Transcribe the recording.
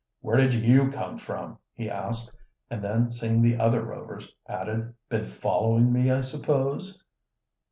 "Where did you come from?" he asked, and then, seeing the other Rovers, added: "Been following me, I suppose?"